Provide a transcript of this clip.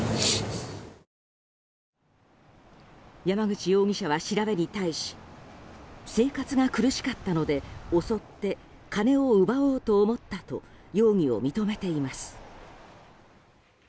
山口容疑者は調べに対し生活が苦しかったので襲って金を奪おうと思ったと容疑を認めています。